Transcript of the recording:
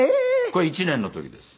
これ１年の時です。